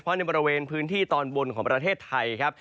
เพราะในบริเวณพื้นที่ตอนบนของประเทศไทยครับ